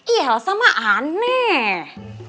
ih elsa mah aneh